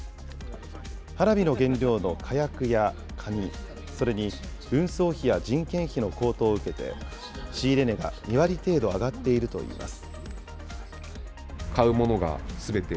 花火の原料の火薬や紙、それに運送費や人件費の高騰を受けて、仕入れ値が２割程度上がっているといいます。